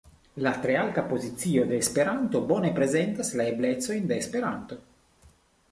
La tre alta pozicio de Esperanto bone prezentas la eblecojn de Esperanto.